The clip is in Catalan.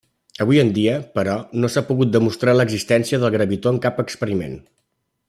Avui en dia, però, no s'ha pogut demostrar l'existència del gravitó en cap experiment.